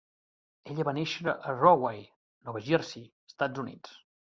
Ella va néixer a Rahway, Nova Jersey, Estats Units.